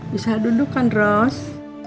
bisa duduk kan ros